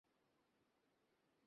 আচ্ছা, শুটু!